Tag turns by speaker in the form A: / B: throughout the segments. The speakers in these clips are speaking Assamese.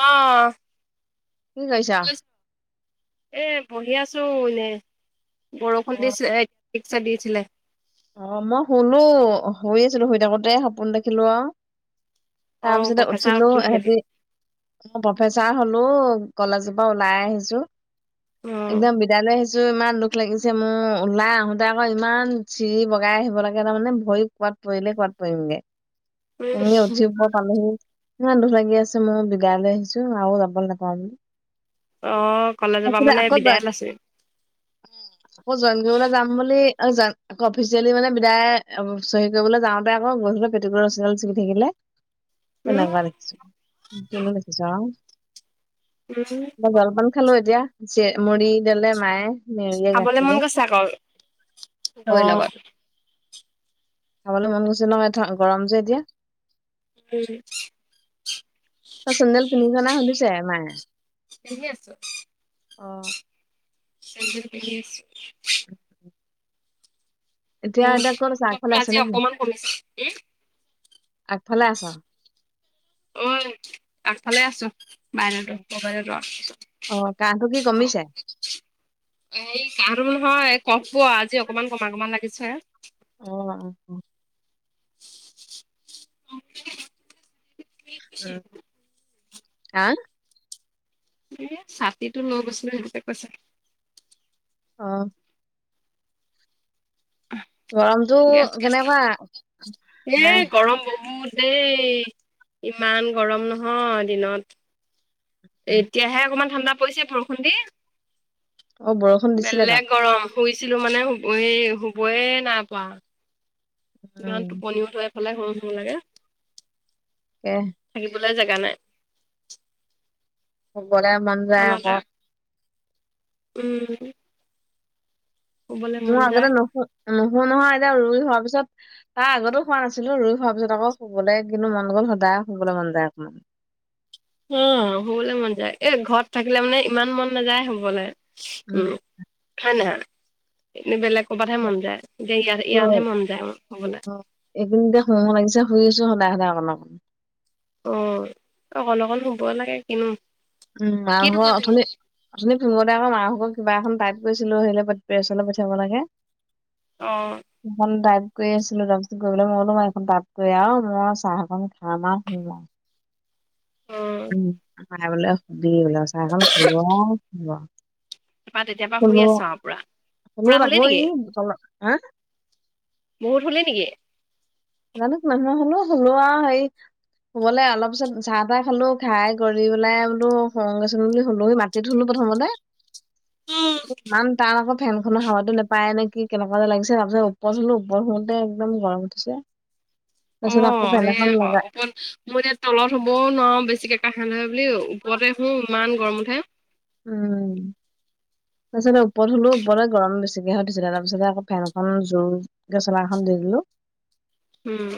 A: অহ।
B: কি কৰিছ?
A: এ বহি আছো এনে,
B: অ
A: বৰষুণ দিছে। ঠিকচে দিছিলে।
B: অ মই শুনো শুই আছিলো শুই থাকোতে সপোন দেখিলো আ। তাৰ
A: অ',
B: পিছতে
A: প্ৰফেচাৰ
B: উঠিলো
A: হেৰি
B: ইহঁতি অ প্ৰফেচাৰ হলো কলেজৰ পৰা ওলাই আহিছো।
A: অ',
B: একদম বিদায়লৈ আহিছো ইমান দুখ লাগিছে মোৰ ওলাই আহোতে আকৌ ইমান চিৰি বগাই আহিব লাগে তাৰমানে ভৰি কবাত পৰিলে কবাত পৰিমগে। উঠি প [unintelligible] পালোহি, ইমান দুখ লাগি আছে মোৰ বিদায়লৈ আহিছো আৰু যাব নাপাওঁ বুলি।
A: অঁ কলেজৰ পৰা
B: তাৰপিছতে
A: মানে
B: আকৌ জই
A: বিদায় লৈছে।
B: আকৌ জয়েন কৰিবলে যাম বুলি আৰু জান আকৌ অফিচিয়েলি মানে বিদায় চহী কৰিবলৈ যাওঁতে আকৌ গৈ পেলায় পেটিকোটৰ ৰছীডাল চিঙি থাকিলে।
A: উম,
B: তেনেকুৱা দেখিছোঁ কিনো দেখিছোঁ অ'
A: [unintelligible]
B: জলপান খালো এতিয়া চিৰা মুড়ি দিলে মায়ে মেৰিয়ে
A: খাবলৈ
B: গাখীৰে
A: মন গৈছে আকৌ
B: অ
A: দৈৰ লগত
B: খাবলৈ মন গৈছে নহয় গৰম যে এতিয়া।
A: উম,
B: তই চেণ্ডেল পিন্ধিছ নে সুধিছে মায়ে
A: পিন্ধি আছোঁ
B: অ
A: চেণ্ডেল পিন্ধি আছোঁ। উম,
B: এতিয়া-এতিয়া ক'ত আছা
A: কফটো
B: আগফালে আছে
A: আজি
B: নে কি?
A: অকমান কমিছে উম,
B: আগফালে আছা।
A: ঐ আগফালে আছোঁ। মাইনাটো [inaudible]
B: অ কাহটো কি কমিছে
A: অ' হেৰি কাহটো বোলো হয় কফটো আজি অকমান কমা-কমা লাগিছে।
B: অ'-অ'-অ'
A: [inaudible]
B: অ' [unintelligible]
A: এই ছাতিটো লৈ গৈছিলোঁ সেইটোকে কৈছে।
B: অ' গৰম
A: গেছ-গেছ লাগে,
B: নাই
A: এ' গৰম বহুত। দেই ইমান গৰম নহয় দিনত। এতিয়াহে অকমান ঠাণ্ডা পৰিছে বৰষুণ দি
B: অ বৰষুণ দিছিলে তাত
A: বেলেগ গৰম। শুনিছিলোঁ মানে এই শুৱয়ে নাই পোৱা।
B: উম
A: ইমান টোপনিও ধৰে এইফালে শো শো লাগে।
B: তাকে
A: থাকিবলৈ জেগা নাই।
B: শুৱলে মন যায়
A: আমাকে
B: আকৌ।
A: উম শুবলৈ
B: মই
A: মন
B: আগতে
A: যায়
B: নুহো নুশু নহয় এতিয়া ৰুই হোৱাৰ পিছত তাৰ আগতো শোৱা নাছিলো ৰুই হোৱাৰ পিছত আকৌ শুবলৈ কিন্তু মন গ'ল সদায় শুবলৈ মন যায় অকণমান
A: উম শুৱলৈ মন যায় এহ ঘৰত থাকিলে মানে ইমান মন নাযায় শুৱলৈ উম। হয় নহয় এ বেলেগ কবাতহে মন যায় যে ইয়াত ইয়াতহে মন যায় শুৱলৈ।
B: এইখিনিতে শুৱ শুৱ‌ লাগিছে শুই আছোঁ সদায়- সদায় অকণ-অকণ
A: অ' অকন-অকন শুৱ লাগে কিনো
B: উম
A: কিনো
B: [unintelligible]
A: কৰিবিনো
B: অথনি অথনি ফিঙোতে আকৌ মাৰভাগৰ কিবা এখন টাইপ কৰিছিলোঁ অ' হৰিলৈ পঠি পেচলৈ পঠিয়াব লাগে।
A: অ'
B: এখন টাইপ কৰি আছিলোঁ তাৰপিছত গৈ পেলাই মই বোলো এইখন টাইপ কৰি অৱ মই চাহকন খাম অৱ শুম অৱ
A: অ',
B: উম খাই বোলে সুধি বোলে চাহখন খালো
A: তৰপা তেতিয়াপা শুই আছ অৱ
B: শুলো
A: পুৰা-পুৰা
B: তাকো
A: শুলি নেকি?
B: ই তল হা
A: বহুত শুলি নেকি?
B: জানো কিমান সময় শুলো, শুলো আৰু হেৰি শুৱলে অলপ পিছত চাহ তাহ খালোঁ খাই কৰি পেলাই বোলো শুৱগে চোন বুলি শুলোৱে মা মাটিত শুলো প্ৰথমতে ইমান তাত আকৌ ফেনখনৰ হাৱাতো নাপায় নে কি কেনেকুৱা যে লাগিছে তাৰপিছত ওপৰত শুলো ওপৰত শুতে একদম গৰম উঠিছে। তাৰপিছত আকৌ
A: অ'
B: ফেন এখন
A: সেয়া
B: লগাই
A: আকৌ ওপৰত মই এতিয়া তলত শুবও নোৱাৰো বেছিকে কাহ আহে বুলি ওপৰতে শোওঁ ইমান গৰম উঠে।
B: উম তাৰপিছতে ওপৰত শুলোঁ ওপৰতে গৰম বেছিকেহে উঠিছিলে তাৰপিছতে আকৌ ফেনখন জোৰ জোৰকে চলা এখন দি দিলোঁ
A: উম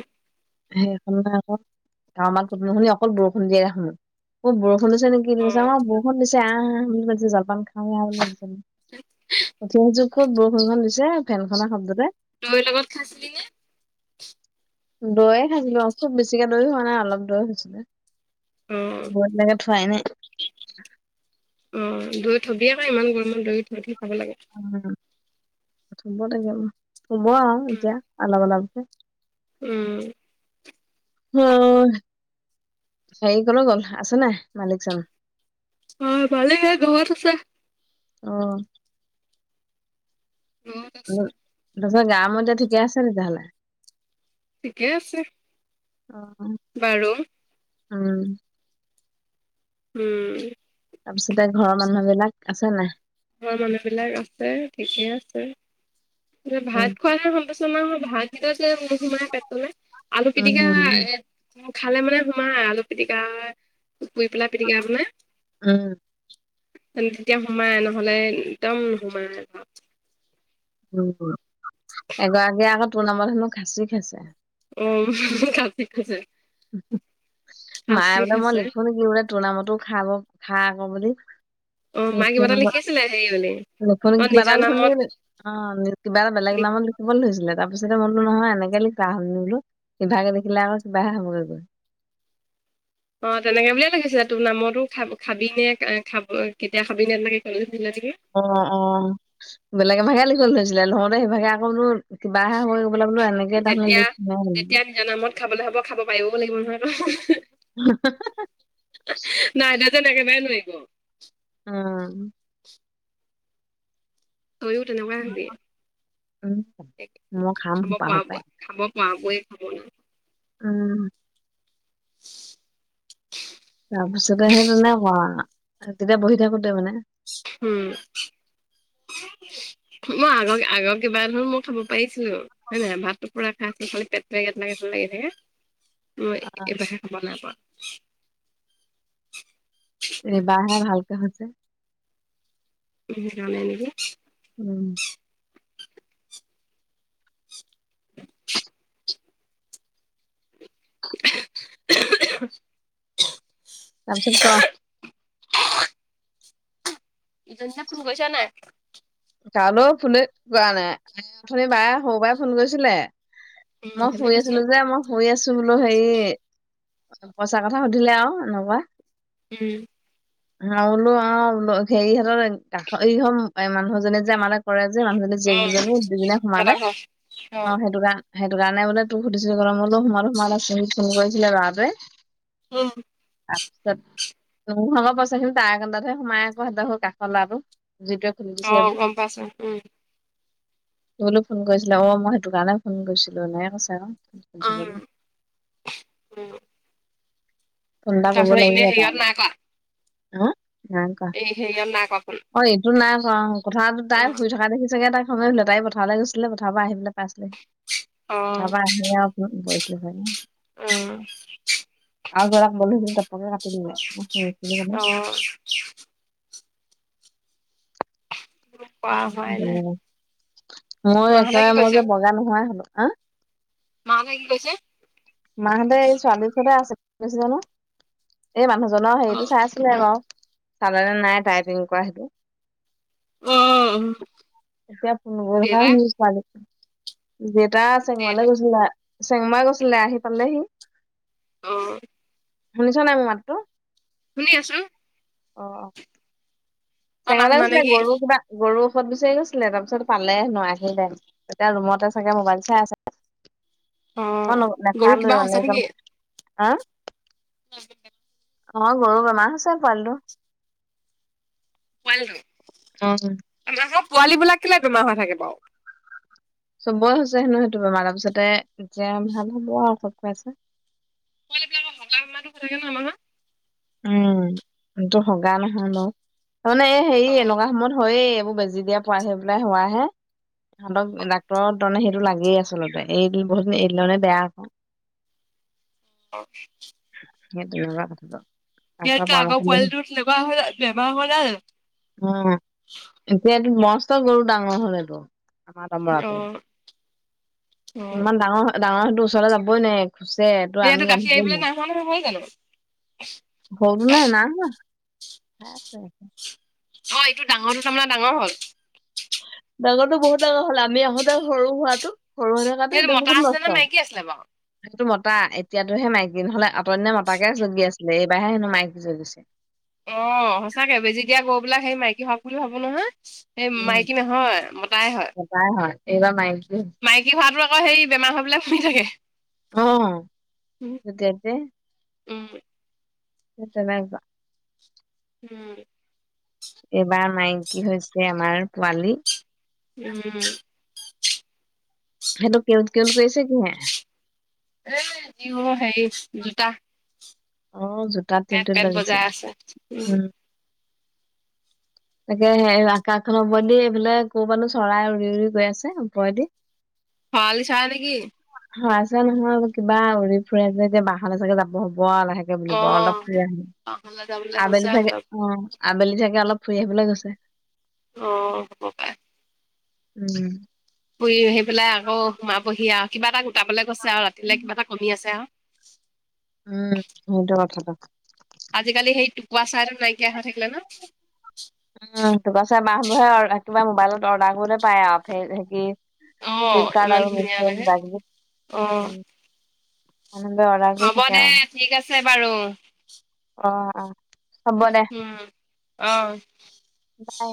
B: সেই [unintelligible] ডাৱৰৰ মাত শুনি-শুনি অকল বৰষুণ দিয়া শুনো, ক'ত বৰষুণ দিছে নেকি? কি কৈছে
A: অ',
B: আমাৰ বৰষুণ দিছে আহ-আহ বুলি কছে জলপান খাওঁ উঠ [unintelligible] জোখত বৰষুণখন দিছে ফেনখনৰ শব্দতে।
A: দৈৰ লগত খাইছিলি নে?
B: দৈয়ে খাইছিলো অ খুব বেছিকে দৈ হোৱা নাই অলপ দৈ হৈছিলে। [unintelligible] বতী লেকে থোৱাই নাই।
A: [inaudible] উম দৈ থবি আক ইমান গৰমত দৈ থৈ থৈ খাব লাগে।
B: উম, থব থাগে উম, থব আও এতিয়া অলপ অলপকে।
A: উম
B: [unintelligible] হেৰি কলৈ গ'ল আছে নাই মালিকজন?
A: অ মালিক এই ঘৰত আছে।
B: অ
A: ঘৰত
B: উ
A: আছে
B: তাৰপিছত গা মোৰ এতিয়া ঠিকে আছে তেতিয়াহ'লে।
A: ঠিকে আছে।
B: অ,
A: বাৰু
B: উম।
A: উম
B: তাৰপিছতে ঘৰৰ মানুহবিলাক আছে নাই?
A: ঘৰ মানুহবিলাক আছে ঠিকে আছে
B: উম
A: ভাত খোৱাহে সমস্যা। [unintelligible] ভাতকেইটা যে নুসুমাই পেটলে, আলু পিটিকা
B: উম
A: এট খালে মানে সোমাই আলু পিটিকা, পুৰি পেলাই পিটিকা বনাই।
B: উম
A: তেতিয়া সোমাই নহলে একদম নুসুমাই।
B: উম উম
A: [inaudible]
B: এগৰাকীয়ে আকৌ তোৰ নামত হেনো খাসি খাইছে।
A: উম, খাসি খাইছে।
B: [inaudible] মায়ে বোলে মই লিখো নেকি বোলে তোৰ নামতো খাব খা আক বুলি।
A: অঁ মাই কিবা
B: লিখি
A: এটা লিখিছিলে হেৰি বুলি।
B: [unintelligible]
A: অ'
B: কিবা
A: নিজৰ
B: এটা
A: নামত
B: লিখ অ কিবা এটা বেলেগ
A: লিখ
B: নামত লিখি কবলে ধৰিছিলে তাৰপিছতে মই বোলো নহয় এনেকে লিখা হেই বোলো হিভাগে লিখিলে আক কিবাহে হবগে গৈ।
A: অঁ তেনেকে বুলিয়ে লিখিছিলে তোৰ নামতো খাব খাবি নে খাব কেতিয়া খাবি নে তেনেকে
B: অ অ বেলেগ এ ভাগে লিখিব ধৰিছিলে লওঁতে সেইভাগে আকৌ বোলো কিবাহে হবগে বোলা বোলো এনেকে [unintelligible]
A: নিজ নামত খাবলে হ'ব খাব পাৰিবও লাগিব নহয়।
B: [unintelligible]
A: নাই দাজনে একেবাৰে নোৱাৰিব।
B: অম।
A: তয়ো তেনেকুৱাই হবি।
B: উম। মই খাম
A: খাব
B: সোপা
A: পৰা
B: সোপাই।
A: বোনেৰ, খাব পৰা বোৱে খাব ন
B: উম। তাৰপিছতে সেই তেনেকুৱা, তেতিয়া বহি থাকোতে মানে।
A: হুম।
B: [inaudible]
A: মই আগৰ আগৰ কিবা [unintelligible] মই খাব পাৰিছিলো হয় নাই ভাতটো পুৰা খাই থাকিলে পেটটো গেথেলা গেথেল লাগি থাকে। মই
B: অ
A: এইবাহে খব নাই পৰা।
B: এইবাহে ভালকে হৈছে।
A: উম হোৱা নাই নেকি?
B: উম।
A: [unintelligible]
B: তাপিছত কোৱা
A: [unintelligible] ইজন চাক ফন কৰিছা নাই
B: তালৈ ফোনে কৰা নাই অথনি বায়ে সৰু বায়ে ফোন কৰিছিলে
A: উম
B: মই
A: সেইবুলি
B: শুই
A: কৈছো
B: আছিলো যে মোহ শুই আছো বোলো হেৰি পইচা কথা সুধিলে আৰু এনেকুৱা
A: উম
B: মই বোলো অ ওল অল সেৰিহঁতৰ কাষ এই হ আ মানুহৰ যোনে যে আমালে কৰে যে মানুহজনী
A: অ
B: জীয়েক দুজনী দুজনে
A: সিহঁতৰ
B: সোমালে,
A: ঘৰ
B: অ সেইটো কাৰণ সেইটো কাৰণে বোলে তোক সুধিছিল কলে মই বোলো সোমালো সোমালে ফোন কৰিছিলে লৰাটোৱে।
A: উম।
B: তাপিছত মোনোভাগৰ পইচাখিনি তাৰ একাউণ্টতহে সোমাই আক সিহঁতৰ ঘৰৰ কাষৰ লৰাটো যিটোৱে খুলি
A: অ
B: দিছে এইবোৰ
A: গম পাইছোঁ উম।
B: মই বোলো ফোন কৰিছিলা অ মই সেইটো কাৰণে ফোন কৰিছিলো, এনেকে কৈছে আক
A: অ উম
B: ফোন এটা কৰিব
A: তাৰপিছত এনে
B: লাগিব
A: হেৰিয়ত
B: তালে
A: নাই কৰা
B: অ! নাই কোৱা,
A: এই হেৰিয়ত নাই কৰা ফোন
B: অ এইটো নাই কোৱা কথাটো
A: অ
B: তাই শুই থকা দেখি চাগে তাই নুসোধিলে তাই পথাৰলে গৈছিলে পথাৰৰপৰা আহিপেলে পাইছিলেহি,
A: অ
B: পথাৰপৰা আহিলে আৰু উম উম গৈছিলো হয় তো
A: উম।
B: আৰু জৰা বলহে তপনে কাটি দিলে আ কাৰনে
A: অ। পা হোৱাই নাই
B: মই
A: মাহঁতে
B: এতিয়া
A: কি কৰিছে
B: মেজত বগা নোহোৱাই হলো আ!
A: মাকে কি কৈছে?
B: মাহঁতে এই ছোৱালীৰ ওচৰতে আছে কি কইছে জানো এই মানুহজনৰ
A: অ
B: হেৰিটো চাই আছিলে বাও চালে নে নাই তাই পেং কৰা সেইটো।
A: অ
B: [unintelligible]
A: দেউতা
B: দেউতা
A: দেউতা
B: চেংমৰালে গৈছিলে, চেংমৰা গৈছিলে আহি পালেহি।
A: ঐ
B: শুনিছ নাই মোৰ মাতটো?
A: শুনি আছো।
B: অ অ।
A: তই নাই
B: চেংমৰালে
A: শুনা
B: গৈছিলে
A: নেকি
B: গৰু কিবা গৰুৰ ঔষধ বিচাৰি গৈছিলে, তাৰপিছত পালে হেনো আহিল পা এতিয়া ৰুমতে চাগে মোবাইল চাই
A: অ',
B: আছে,
A: গৰু
B: নাখালোয়ে
A: কিবা হৈছে
B: এনেই
A: নেকি?
B: গল হা!
A: [unintelligible]
B: ঘাল গৰু বনা আছে পুৱালিটো।
A: পোৱালিটো।
B: অঅ
A: আমা আকৌ পোৱালীবিলাক কেলে বেমাৰ হৈ থাকে বাঅ?
B: চবেই হৈছে হেনো সেইটো বেমাৰ তাৰপিছতে যে ভাল হ'ব আঅ চব খাইছে।
A: পোৱালীবিলাকৰ হগা বেমাৰটো হৈ থাকে ন আমা ঘ
B: উম এটো হগা নহয় বাৰু, তাৰমানে এই হেৰি
A: অ',
B: এনেকুৱা সময়ত হয়েই এইবোৰ বেজি দিয়া পোৱা সেই পেলাই হোৱাহে হাতক ডাক্তৰক তণে সেইটো লাগেই আচলতে, এইদিলে বহুত দিন এইদিলে মানে বেয়া আক
A: অ
B: সেইটো বা কথাটো ডাক্তৰৰ
A: ইয়াতকে
B: পৰামৰ্শ
A: আগৰ
B: লৈ
A: পোৱালিটো তেনেকুৱা হোৱা নাই বেমাৰ হোৱা নাই যানো
B: উম এতিয়াটো মষ্ট গৰু ডাঙৰ হ'ল এইটো। আমাৰ দমৰাতো,
A: অ', অ',
B: ইমান ডাঙৰ-ডাঙৰ হয়তো ওচৰলৈ যাবই নোৱাৰি [unintelligible]
A: সিহঁতে গাখীৰ
B: বান্ধিবই
A: এৰিবলৈ নাই হোৱা নহয় জানো?
B: গৰুনে নাই হোৱা, খাই আছে
A: অ' এইটো ডাঙৰটো তাৰমানে ডাঙৰ হ'ল।
B: ডাঙৰটো বহুত ডাঙৰ হ'ল আমি আহোঁতে সৰু হোৱাতো সৰু হৈ থকাটো
A: সেইটো
B: এতিয়া
A: মতা
B: বহুত
A: আছিলে নে
B: মস্ত।
A: মাইকী আছিলে বাৰু?
B: সেইটো মতা এতিয়াতোহে মাইকী নহ'লে অতদিনে মতাকে জগি আছিলে, এইবাৰ হে হেনো মাইকী জগিছে।
A: অ' সঁচাকে বেজি দিয়া গৰুবিলাক সেই মাইকী হওক বুলি ভাবো নহয়। এই মাইকী নহয় মতাই হয়।
B: নাই হোৱা, এইবাৰ মাইকী হৈছে।
A: মাইকী হোৱাতো আকৌ সেই বেমাৰ হৈ পেলাই শুই থাকে।
B: অ'
A: উম,
B: তেতিয়াকে
A: উম।
B: সেই তেনেকুৱা।
A: উম।
B: এইবাৰ মাইকী হৈছে আমাৰ পোৱালি।
A: উম।
B: সেইটো টিওঁত-টিওঁত কৰিছে কিহে?
A: এই দি হেৰি জোতা।
B: অ' জোতাত
A: পেট
B: টিওঁত-টিওঁত
A: পেট
B: বাজিছে,
A: বজাই আছে।
B: উম। তাকেহে আকাশখনৰ ওপৰেদি এইবিলাক কৰ পৰানো চৰাই উৰি-উৰি গৈ আছে ওপৰেদি।
A: শেৱালি চৰাই নেকি?
B: সৰা চৰাই নহয় কিবা উৰি ফুৰে যে এতিয়া বাহলে চাগে যাব হ'ব আ লাহেকে কি
A: অ
B: বুলিব অলপ
A: বাহলৈ যাবলৈ
B: [unintelligible]
A: কৈছে
B: আবেলি থাকে
A: সিহঁতক
B: অ' আবেলি ছাগে অলপ ফুৰি আহিবলে গৈছে।
A: অ' হ'ব পাৰে।
B: উম।
A: ফুৰি আহি পেলাই আকৌ সোমাবহি আও, কিবা এটা গোটাবলে গৈছে আও, ৰাতিলে কিবা এটা কমি আছে আও।
B: উম সেইটো কথাটো।
A: আজিকালি সেই টুকুৰা চৰাইটো নাইকিয়া হৈ থাকিলে ন'?
B: উম টুকুৰা চৰাই বাহ বোৰহে আৰু কিবা মোবাইলত অৰ্ডাৰ কৰোঁতে পাই আও। [unintelligible]
A: অ
B: ফ্লিপকাৰ্ট
A: ইমান
B: আৰু মিছ
A: ধুনীয়া লাগে
B: কিবা কিবি,
A: অ।
B: মানুহবোৰে অৰ্ডাৰ কৰি
A: হ'ব
B: থাকে
A: দে
B: আৰু
A: ঠিক আছে বাৰু।
B: অ'-অ'।
A: উম অ'।
B: অ'